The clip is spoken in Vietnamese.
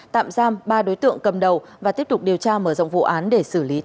tạm giam ba đối tượng cầm đầu và tiếp tục điều tra mở rộng vụ án để xử lý theo quyết định